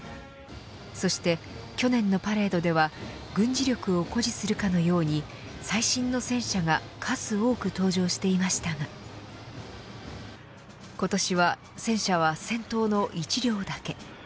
そして去年のパレードでは軍事力を誇示するかのように最新の戦車が数多く登場していましたが今年は戦車は先頭の１両だけ。